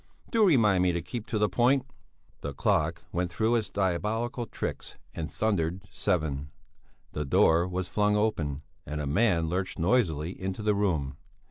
Do remind me to keep to the point...." The clock went through its diabolical tricks and thundered seven. The door was flung open and a man lurched noisily into the room.